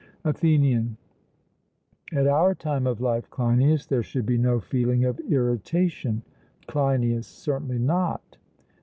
ATHENIAN: At our time of life, Cleinias, there should be no feeling of irritation. CLEINIAS: Certainly not.